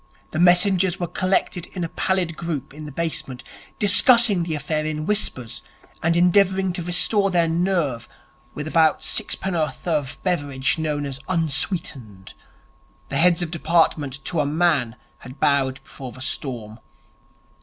The messengers were collected in a pallid group in the basement, discussing the affair in whispers and endeavouring to restore their nerve with about sixpenn'orth of the beverage known as 'unsweetened'. The heads of departments, to a man, had bowed before the storm.